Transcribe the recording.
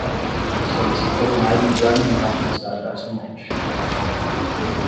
Solicitou mais guardanapos à garçonete